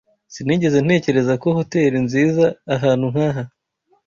Sinigeze ntekereza ko hoteri nziza ahantu nkaha.